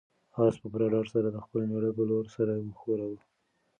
آس په پوره ډاډ سره د خپل مېړه په لور سر وښوراوه.